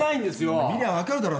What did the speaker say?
見りゃ分かるだろ。